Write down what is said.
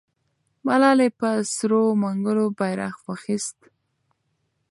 ملالۍ په سرو منګولو بیرغ واخیست.